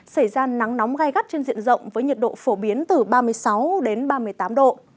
xảy ra nắng nóng gai gắt trên diện rộng với nhiệt độ phổ biến từ ba mươi sáu đến ba mươi tám độ